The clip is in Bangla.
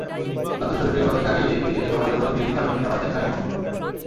ক্লান্ত শরীরে বাসে গা-এলিয়ে দিয়ে সবাই যখন ডিজনি কার্টুন সিনেমা দেখায় মগ্ন।